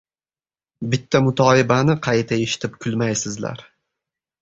“Bitta mutoyibani qayta eshitib kulmaysizlar